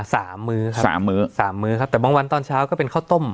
มื้อครับสามมื้อสามมื้อครับแต่บางวันตอนเช้าก็เป็นข้าวต้ม